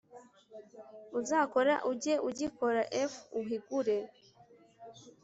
uzakora ujye ugikora f uhigure